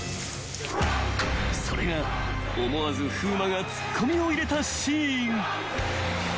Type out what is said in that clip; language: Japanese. ［それが思わず風磨がツッコミを入れたシーン］